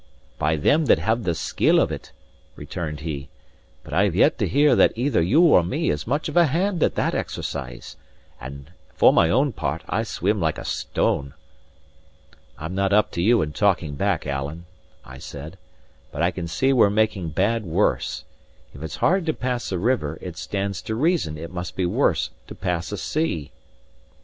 "By them that have the skill of it," returned he; "but I have yet to hear that either you or me is much of a hand at that exercise; and for my own part, I swim like a stone." "I'm not up to you in talking back, Alan," I said; "but I can see we're making bad worse. If it's hard to pass a river, it stands to reason it must be worse to pass a sea."